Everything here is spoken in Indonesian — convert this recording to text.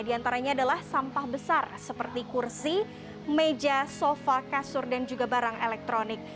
di antaranya adalah sampah besar seperti kursi meja sofa kasur dan juga barang elektronik